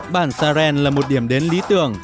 bảng saren là một điểm đến lý tưởng